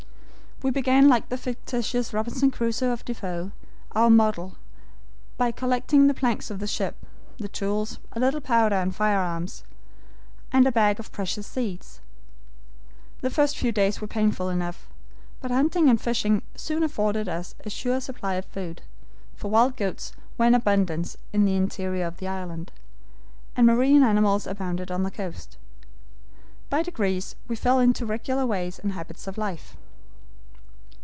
"We began like the fictitious Robinson Crusoe of Defoe, our model, by collecting the planks of the ship, the tools, a little powder, and firearms, and a bag of precious seeds. The first few days were painful enough, but hunting and fishing soon afforded us a sure supply of food, for wild goats were in abundance in the interior of the island, and marine animals abounded on the coast. By degrees we fell into regular ways and habits of life.